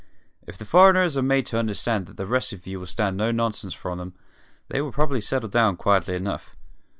"If the foreigners are made to understand that the rest of you will stand no nonsense from them they will probably settle down quietly enough.